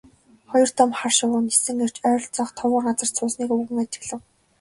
Хоёр том хар шувуу нисэн ирж ойролцоох товгор газарт суусныг өвгөн ажиглав.